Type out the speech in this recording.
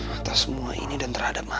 atas semua ini dan terhadap mama